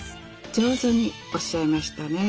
上手におっしゃいましたね。